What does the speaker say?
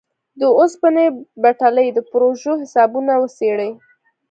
د اوسپنې پټلۍ د پروژو حسابونه وڅېړي.